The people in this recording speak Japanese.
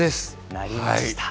なりました。